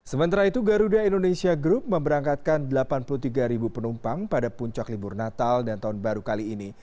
sementara itu garuda indonesia group memberangkatkan delapan puluh tiga penumpang pada puncak libur natal dan tahun baru kali ini